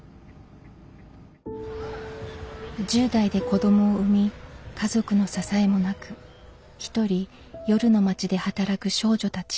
１０代で子どもを産み家族の支えもなく独り夜の街で働く少女たち。